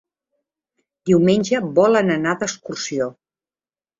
Diumenge volen anar d'excursió.